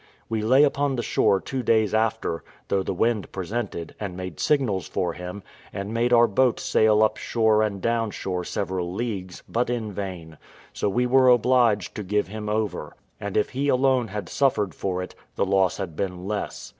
We lay upon the shore two days after, though the wind presented, and made signals for him, and made our boat sail up shore and down shore several leagues, but in vain; so we were obliged to give him over; and if he alone had suffered for it, the loss had been less.